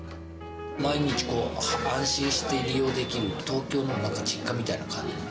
毎日こう、安心して利用できる東京の実家みたいな感覚。